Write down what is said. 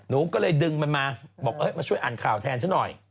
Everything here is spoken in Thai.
หนูก็เลยดึงมันมาบอกมาช่วยอ่านข่าวแทนฉันหน่อย